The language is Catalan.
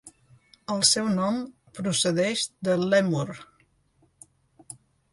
El seu nom procedeix de Lèmur.